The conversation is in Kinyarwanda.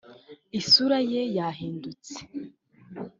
isura ye yahindutse